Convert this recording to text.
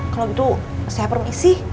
kalau gitu saya permisi